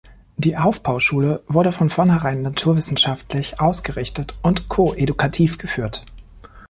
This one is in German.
Die Aufbauschule wurde von vornherein naturwissenschaftlich ausgerichtet und koedukativ geführt.